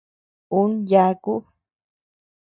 Un yaku.